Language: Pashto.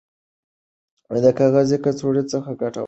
د کاغذي کڅوړو څخه ګټه واخلئ.